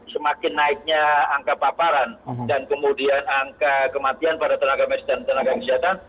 semakin naiknya angka paparan dan kemudian angka kematian pada tenaga medis dan tenaga kesehatan